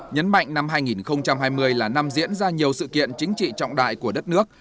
nhấn mạnh năm hai nghìn hai mươi là năm diễn ra nhiều sự kiện chính trị trọng đại của đất nước